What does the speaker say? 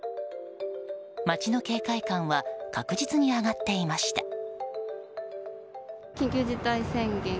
街の警戒感は確実に上がっていました。